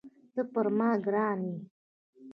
ته پر ما ګران یې